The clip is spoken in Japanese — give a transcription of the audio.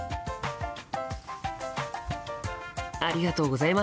ありがとうございます。